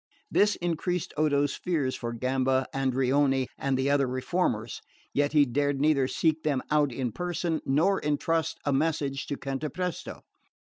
This increased Odo's fears for Gamba, Andreoni and the other reformers; yet he dared neither seek them out in person nor entrust a message to Cantapresto.